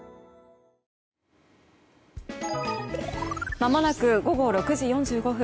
間もなく午後６時４５分。